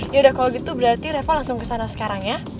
ya udah kalau gitu berarti reva langsung ke sana sekarang ya